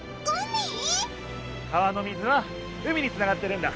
川の水は海につながってるんだ。